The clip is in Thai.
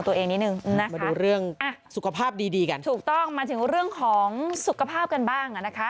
ถูกต้องมาถึงเรื่องของสุขภาพกันบ้างนะนะคะ